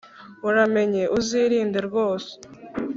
uramenye uzirinde rwose